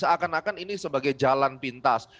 seakan akan ini sebagai jalan pintas